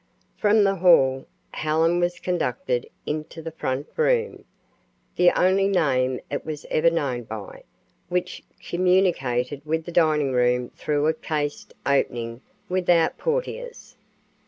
From the hall, Helen was conducted into the "front room," the only name it was ever known by, which communicated with the dining room through a cased opening without portieres.